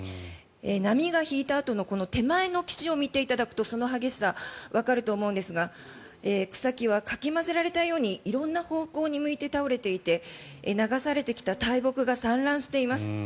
波が引いたあとの手前の岸を見ていただくとその激しさわかると思うんですが草木はかき混ぜられたように色んな方向に向いて倒れていて流されてきた大木が散乱しています。